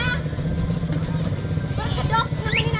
sedok nemenin anak anak padahal kita yang main